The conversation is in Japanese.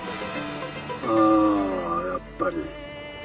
あやっぱり。